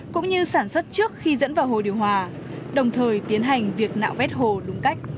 cũng như sản xuất trước khi dẫn vào hồ điều hòa đồng thời tiến hành việc nạo vét hồ đúng cách